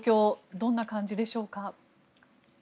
どんな感じでしょうか。